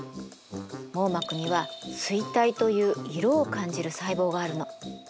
網膜には錐体という色を感じる細胞があるの。